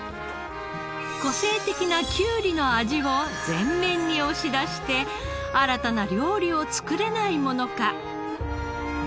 個性的なきゅうりの味を全面に押し出して新たな料理を作れないものか。